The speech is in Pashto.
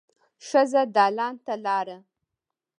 ښځه دالان ته لاړه.